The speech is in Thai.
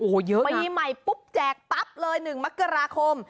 โอ้โหเยอะปีใหม่ปุ๊บแจกปั๊บเลย๑มกราคม